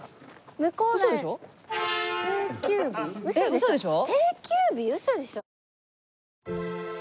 ウソでしょ？